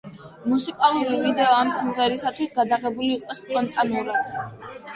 მუსიკალური ვიდეო ამ სიმღერისათვის გადაღებული იყო სპონტანურად.